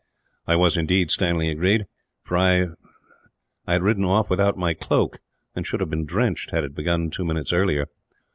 "I was indeed," Stanley agreed, "for I had ridden off without my cloak, and should have been drenched, had it begun two minutes earlier."